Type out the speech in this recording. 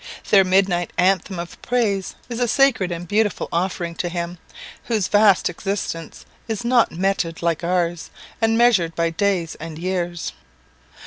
Their midnight anthem of praise is a sacred and beautiful offering to Him, whose vast existence is not meted out like ours, and measured by days and years.